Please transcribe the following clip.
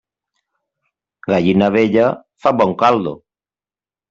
Gallina vella fa bon caldo.